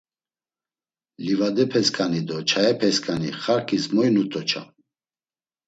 Livadepesǩani do çayepesǩani xarǩis moy nut̆oçam?